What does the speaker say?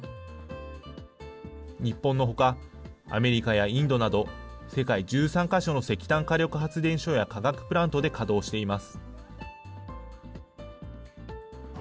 日本のほか、アメリカやインドなど世界１３か所の石炭火力発電所や化学プラントで稼働しています。